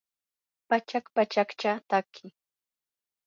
pachak pachakcha tatki